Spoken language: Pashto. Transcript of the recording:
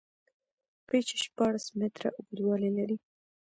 پېچ شپاړس میتره اوږدوالی لري.